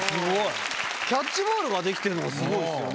キャッチボールができてるのがスゴいですよね。